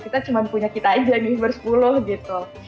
kita cuma punya kita aja nih ber sepuluh gitu